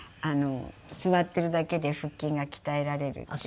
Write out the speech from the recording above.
座っているだけで腹筋が鍛えられるっていう。